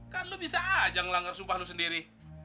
kan lo bisa aja ngelanggar sumpah lo sendiri